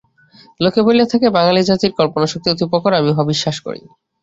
লোকে বলিয়া থাকে, বাঙালী জাতির কল্পনাশক্তি অতি প্রখর, আমি উহা বিশ্বাস করি।